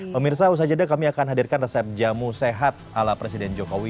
pemirsa usaha jeda kami akan hadirkan resep jamu sehat ala presiden jokowi